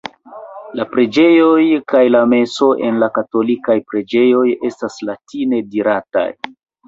La preĝoj kaj la meso en la katolikaj preĝejoj estas latine dirataj.